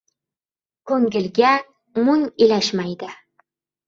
ko‘ngilga mung ilashmaydi.